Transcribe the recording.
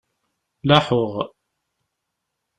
Laḥuɣ